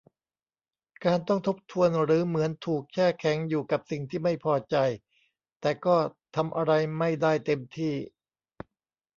การต้องทบทวนหรือเหมือนถูกแช่แข็งอยู่กับสิ่งที่ไม่พอใจ แต่ก็ทำอะไรไม่ได้เต็มที่